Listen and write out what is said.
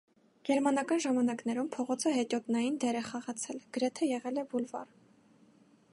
Գերմանական ժամանակներում փողոցը հետիոտնային դեր է խաղացել, գրեթե եղել է բուլվար։